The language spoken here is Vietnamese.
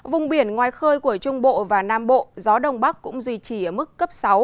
vùng biển ngoài khơi của trung bộ và nam bộ gió đông bắc cũng duy trì ở mức cấp sáu